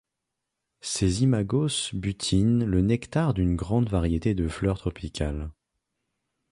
Ses imagos butinent le nectar d'une grande variété de fleurs tropicales.